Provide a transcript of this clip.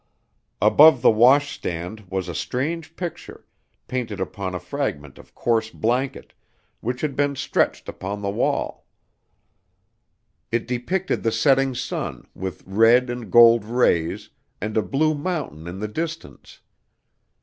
Above the wash stand was a strange picture, painted upon a fragment of coarse blanket, which had been stretched upon the wall. It depicted the setting sun, with red and gold rays, and a blue mountain in the distance.